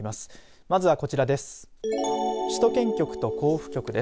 まずはこちらです。